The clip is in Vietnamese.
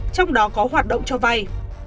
trong đó có hoạt động cho vay